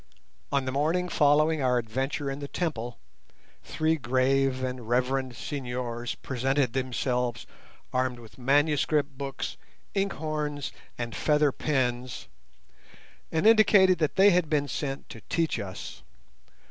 On the morning following our adventure in the temple, three grave and reverend signiors presented themselves armed with manuscript books, ink horns and feather pens, and indicated that they had been sent to teach us.